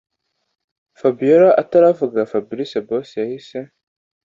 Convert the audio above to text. Fabiora ataravuga Fabric boss yahise